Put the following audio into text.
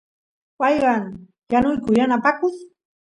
waaywan yanuyku yanapakus